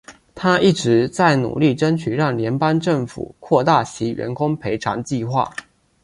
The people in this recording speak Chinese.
她一直在努力争取让联邦政府扩大其员工赔偿计划。